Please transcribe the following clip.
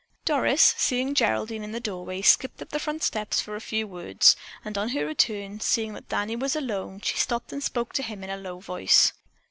Doris, seeing Geraldine in the doorway, skipped up the front steps for a few words, and on her return, seeing that Danny was alone, she stopped and spoke to him in a low voice.